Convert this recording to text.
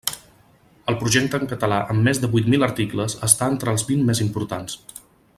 El projecte en català, amb més de vuit mil articles, està entre els vint més importants.